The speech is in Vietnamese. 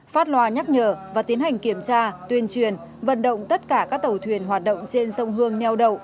phát loa nhắc nhở và tiến hành kiểm tra tuyên truyền vận động tất cả các tàu thuyền hoạt động trên sông hương neo đậu